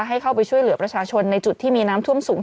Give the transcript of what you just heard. ให้เข้าไปช่วยเหลือประชาชนในจุดที่มีน้ำท่วมสูง